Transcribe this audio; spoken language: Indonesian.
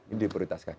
ini di prioritaskan